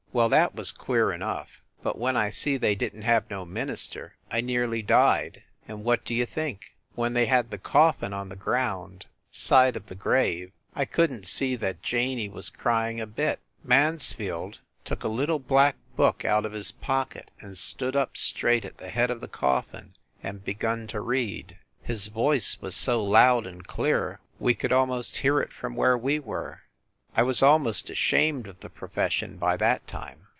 Well, that was queer enough, but when I see they didn t have no minister I nearly died. And, what d you think? When they had the coffin on the ground, side of the grave, I couldn t see that Janey was crying a bit Mansfield took a little black book THE CAXTON DINING ROOM 183 out of his pocket and stood up straight at the head of the coffin and begun to read. His voice was so loud and clear we could almost hear it from where we were. I was almost ashamed of the profession by that time.